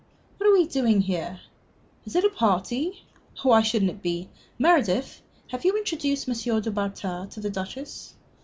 What are we doing here? Is it a party? Why shouldn't it be? Meredith, have you introduced M. du Bartas to the Duchess?